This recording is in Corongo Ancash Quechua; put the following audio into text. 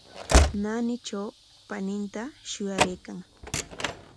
Naanitraw paninta shuyaraykan.